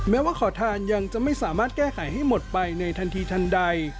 แม้ว่าขอทานยังจะไม่สามารถแก้ไขให้หมดไปในทันทีทันใด